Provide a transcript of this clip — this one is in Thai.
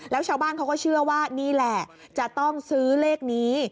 แล้วชาวบ้านเขาก็เชื่อว่านี่แหละจะต้องซื้อเลขนี้